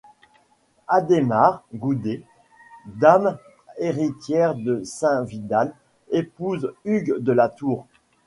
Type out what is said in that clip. Adhémare Goudet, dame héritière de Saint-Vidal, épouse Hugues de la Tour.